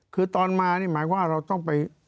คือตอนมานี่หมายความว่าเราต้องไป